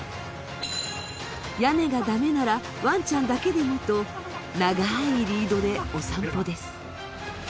屋根がだめなら、ワンちゃんだけでもと長いリードでお散歩です。